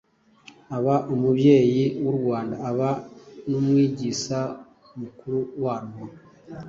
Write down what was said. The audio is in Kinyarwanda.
aba Umubyeyi w'Urwanda, aba n'Umwigisa mukuru warwo.